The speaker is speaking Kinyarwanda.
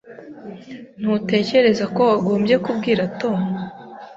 Ntutekereza ko wagombye kubwira Tom?